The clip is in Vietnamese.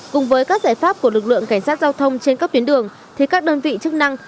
cùng với các giải pháp của lực lượng cảnh sát giao thông trên các tuyến đường thì các đơn vị chức năng